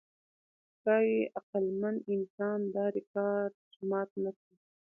ښایي عقلمن انسان دا ریکارډ مات نهکړي.